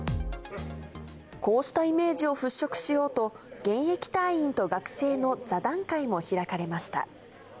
こうしたイメージを払拭しようと、現役隊員と学生の座談会も開かれました。